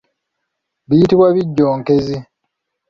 Biyitibwa ebijjonkezi.